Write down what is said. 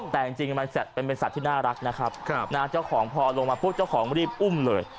แต่จริงมันเป็นสัตว์ที่น่ารักนะครับเจ้าของพอลงมาปุ๊บเจ้าของรีบอุ้มเลย